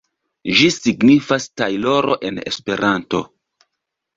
Ĝi signifas tajloro en Esperanto.